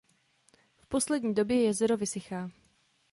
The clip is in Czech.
V poslední době jezero vysychá.